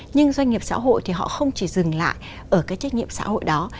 nhưng doanh nghiệp xã hội thì họ không chỉ dừng lại ở cái trách nhiệm xã hội đó